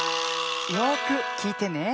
よくきいてね。